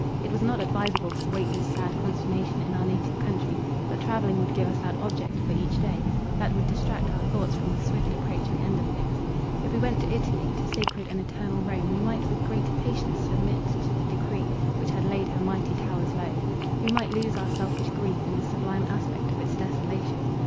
It was not adviseable to wait this sad consummation in our native country; but travelling would give us our object for each day, that would distract our thoughts from the swift approaching end of things. If we went to Italy, to sacred and eternal Rome, we might with greater patience submit to the decree, which had laid her mighty towers low. We might lose our selfish grief in the sublime aspect of its desolation.